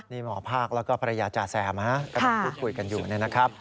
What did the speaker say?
นี่หมอภาคแล้วก็ภรรยาจ่าแซมกำลังพูดคุยกันอยู่นะครับ